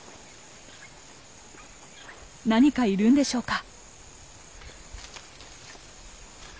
何かいるんでしょうか？